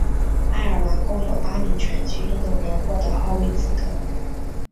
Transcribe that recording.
爱尔兰共有八名拳击运动员获得奥运资格。